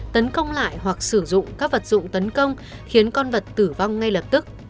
tấn công lại hoặc sử dụng các vật dụng tấn công khiến con vật tử vong ngay lập tức